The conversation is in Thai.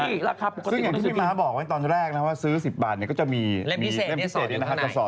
ซึ่งอย่างที่พี่ม้าบอกไว้ตอนแรกนะว่าซื้อ๑๐บาทก็จะมีเล่มพิเศษนี้นะครับ